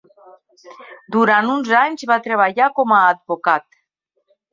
Durant uns anys va treballar com a advocat.